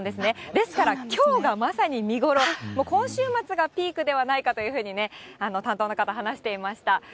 ですからきょうがまさに見頃、今週末がピークではないかというふうに、担当の方、話していました。